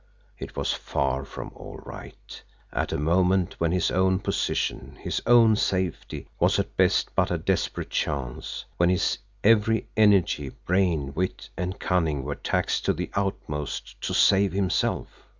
It was far from all right at a moment when his own position, his own safety, was at best but a desperate chance; when his every energy, brain, wit, and cunning were taxed to the utmost to save himself!